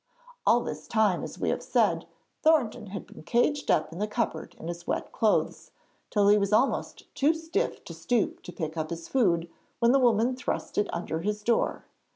All this time, as we have said, Thornton had been caged up in the cupboard in his wet clothes, till he was almost too stiff to stoop to pick up his food when the woman thrust it under his door.